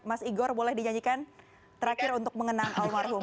mas igor boleh di nyanyikan terakhir untuk mengenang almarhum